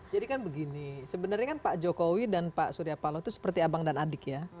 jadi kan begini sebenarnya kan pak jokowi dan pak surya palo itu seperti abang dan adik ya